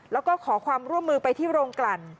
แล้วก็ขอความร่วมมือไปที่โรงกลั่น